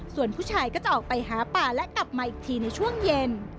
ส่วนผู้ชายก็จะออกไปหาป่าและกลับมาอีกทีในช่วงเย็น